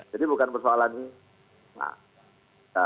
jadi bukan persoalannya